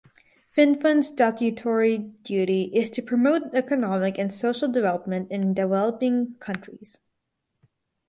Finnfund’s statutory duty is to promote economic and social development in developing countries.